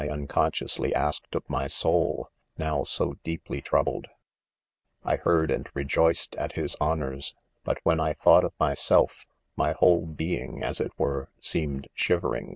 unconsciously, asked of my soul, now so deeply troubled, I heard and rejoic ed at Ms honors j — but when I thought of my .selfj my whole being, as it were, seemed shiv eiing.